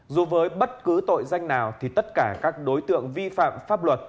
dù với bất cứ tội danh nào thì tất cả các đối tượng vi phạm pháp luật